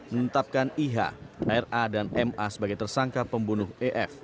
menetapkan iha ra dan ma sebagai tersangka pembunuh ef